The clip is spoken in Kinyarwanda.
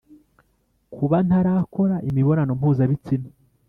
Kuba ntarakora imibonano mpuzabitsina